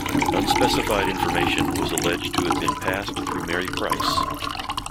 Unspecified information was alleged to have been passed through Mary Price.